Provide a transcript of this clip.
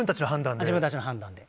自分たちの判断で？